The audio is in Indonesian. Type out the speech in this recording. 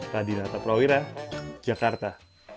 radinata prawira jakarta